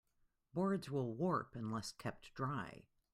Boards will warp unless kept dry.